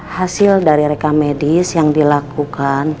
hasil dari reka medis yang dilakukan